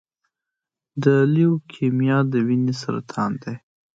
د لیوکیمیا د وینې سرطان دی.